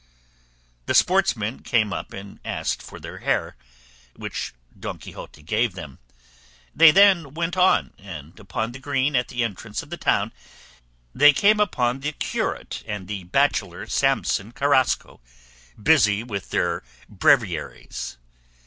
The sportsmen came up and asked for their hare, which Don Quixote gave them. They then went on, and upon the green at the entrance of the town they came upon the curate and the bachelor Samson Carrasco busy with their breviaries.